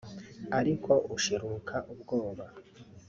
"Ariko ushirika ubwoba